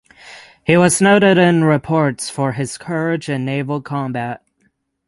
He was noted in reports for his courage in naval combat.